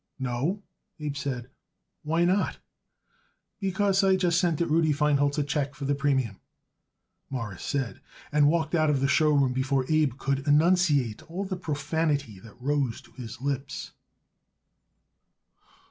"No?" Abe said. "Why not?" "Because I just sent it Rudy Feinholz a check for the premium," Morris said, and walked out of the show room before Abe could enunciate all the profanity that rose to his lips.